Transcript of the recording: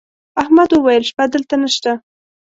احمد وويل: شپه دلته نشته.